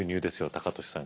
高利さん